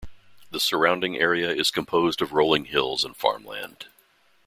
The surrounding area is composed of rolling hills and farmland.